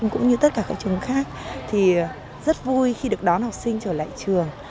cũng như tất cả các trường khác thì rất vui khi được đón học sinh trở lại trường